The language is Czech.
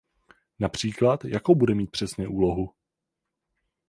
Například, jakou bude mít přesně úlohu?